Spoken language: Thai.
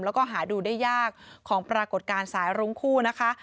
แล้วก็หาดูได้ยากของปรากฏการณ์สายรุ้งคู่นะคะ